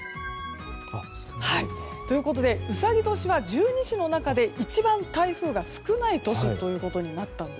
ということでうさぎ年は十二支の中で一番台風が少ない年となったんです。